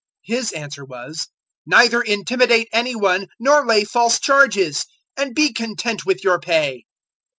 His answer was, "Neither intimidate any one nor lay false charges; and be content with your pay."